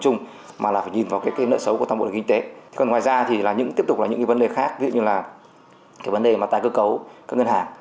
ngoài ra tiếp tục là những vấn đề khác ví dụ như vấn đề tái cơ cấu các ngân hàng